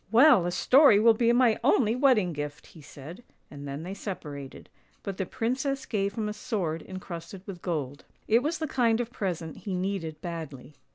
" Well, a story will be my only wedding gift! " he said, and then they separated: but the princess gave him a sword en crusted with gold. It was the kind of present he needed badly.